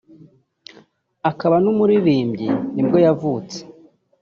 akaba n’umuririmbyi nibwo yavutse